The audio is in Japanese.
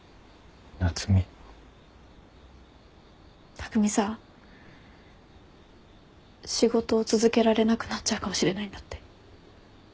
匠さ仕事続けられなくなっちゃうかもしれないんだって。